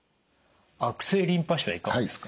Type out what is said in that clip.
悪性リンパ腫はいかがですか？